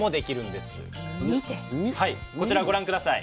こちらご覧下さい。